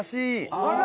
あら！